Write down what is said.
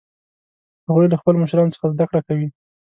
هغوی له خپلو مشرانو څخه زده کړه کوي